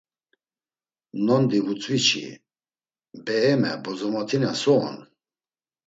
Nondi vutzvi çi, be Eme Bozomotina so on?